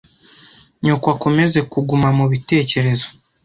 nyoko akomeze kuguma mubitekerezo